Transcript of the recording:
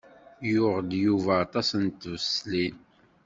Yuɣ-d Yuba aṭas n tbeṣlin.